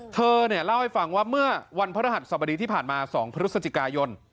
เธอเล่าให้ฟังว่าเมื่อวันพระรหัสสบดีที่ผ่านมา๒พฤศจิกายน